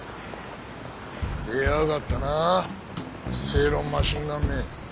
出やがったな正論マシンガンめ。